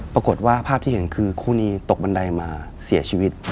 ปรากฏว่าภาพที่เห็นคือคู่นี้ตกบันไดมาเสียชีวิต